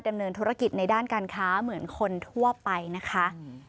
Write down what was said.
ดำเนินธุรกิจในด้านการค้าเหมือนคนทั่วไปนะคะ